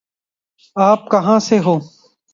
آپ کہاں سے ہوں؟